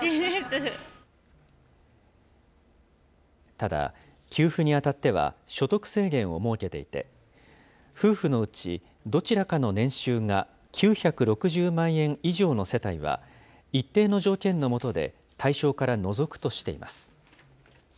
ただ、給付にあたっては、所得制限を設けていて、夫婦のうち、どちらかの年収が９６０万円以上の世帯は、一定の条件の下で対象から除くとしています。